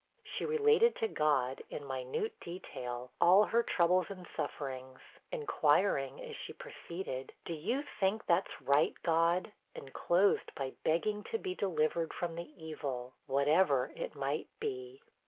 She related to God, in minute detail, all her troubles and sufferings, inquiring, as she proceeded, 'Do you think that's right, God?' and closed by begging to be delivered from the evil, whatever it might be.